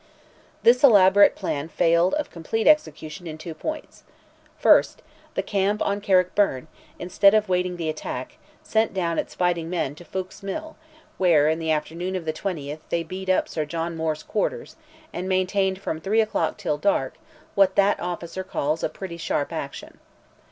This elaborate plan failed of complete execution in two points. First, the camp on Carrickbyrne, instead of waiting the attack, sent down its fighting men to Foulke's Mill, where, in the afternoon of the 20th they beat up Sir John Moore's quarters, and maintained from 3 o'clock till dark, what that officer calls "a pretty sharp action."